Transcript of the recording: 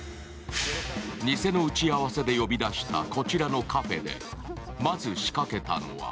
偽の打ち合わせで呼び出したこちらのカフェでまず仕掛けたのは